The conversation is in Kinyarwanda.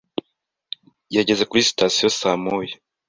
Yageze kuri sitasiyo saa moya.